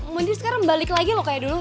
mondi sekarang balik lagi kayak dulu